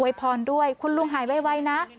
พรด้วยคุณลุงหายไวนะ